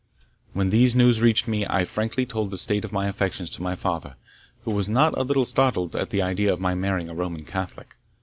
When these news reached me, I frankly told the state of my affections to my father, who was not a little startled at the idea of my marrying a Roman Catholic.